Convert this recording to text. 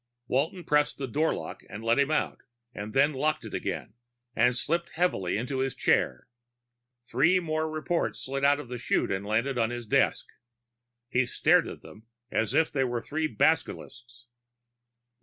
Walton pressed the doorlock to let him out, then locked it again and slipped heavily into his chair. Three more reports slid out of the chute and landed on his desk. He stared at them as if they were three basilisks.